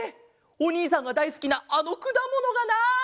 おにいさんがだいすきなあのくだものがない！